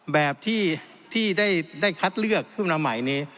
แบบที่ได้คัดเลือกขึ้นมาใหม่นี้